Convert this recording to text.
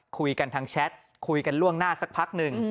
คุยกันทางแชทคุยกันล่วงหน้าสักพักหนึ่ง